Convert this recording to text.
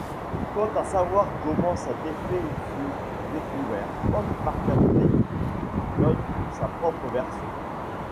Quant à savoir comment cet effet fut découvert, Paul McCartney donne sa propre version.